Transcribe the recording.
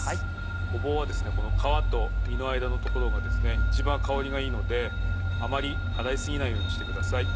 ごぼうは皮と身の間の所が一番香りがいいのであまり洗い過ぎないようにしてください。